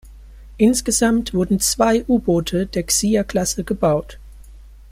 Insgesamt wurden zwei U-Boote der Xia-Klasse gebaut.